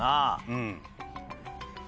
うん。